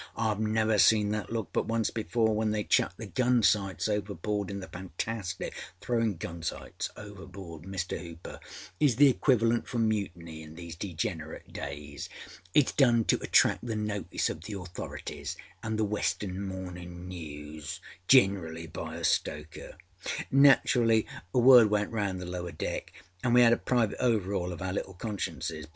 Iâve never seen that look but once before when they chucked the gun sights overboard in the Fantastic.â Throwinâ gun sights overboard, Mr. Hooper, is the equivalent for mutiny in these degenerate days. Itâs done to attract the notice of the authorities anâ the _Western Morninâ News_âgenerally by a stoker. Naturally, word went round the lower deck anâ we had a private overâaul of our little consciences.